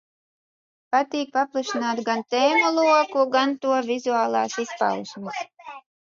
Patīk paplašināt gan tēmu loku, gan to vizuālās izpausmes.